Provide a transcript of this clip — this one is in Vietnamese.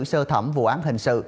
sơ thẩm vụ án hình sự